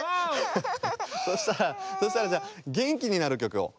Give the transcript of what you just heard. そしたらそしたらじゃげんきになるきょくを。